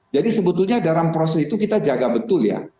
jadi sebetulnya dalam proses itu kita jaga betul ya